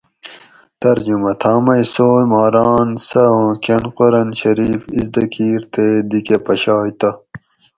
ترجمہ: تھا مئ سوئ ما ران سہۤ اُوں کۤن قران شریف اِزدہ کِیر تے دی کہ پشائ تہ